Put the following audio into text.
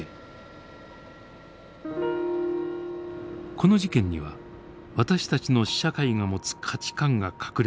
この事件には私たちの社会が持つ価値観が隠れているのではないか。